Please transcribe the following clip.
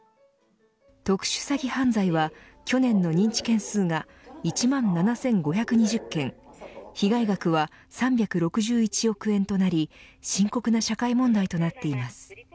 特殊詐欺犯罪は去年の認知件数が１万７５２０件被害額は３６１億円となり深刻な社会問題となっています。